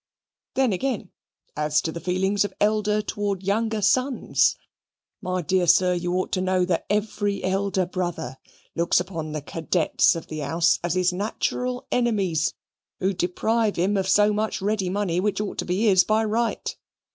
"Then again, as to the feeling of elder towards younger sons. My dear sir, you ought to know that every elder brother looks upon the cadets of the house as his natural enemies, who deprive him of so much ready money which ought to be his by right.